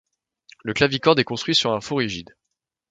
Le clavicorde est construit sur un fond rigide.